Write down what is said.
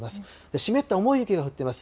湿った重い雪が降っています。